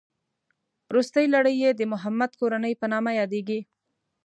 روستۍ لړۍ یې د محمد کورنۍ په نامه یادېږي.